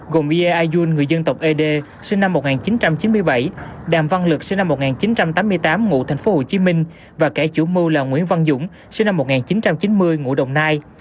gồm ia ajun người dân tộc ế đê sinh năm một nghìn chín trăm chín mươi bảy đàm văn lực sinh năm một nghìn chín trăm tám mươi tám ngụ tp hcm và kẻ chủ mưu là nguyễn văn dũng sinh năm một nghìn chín trăm chín mươi ngụ đồng nai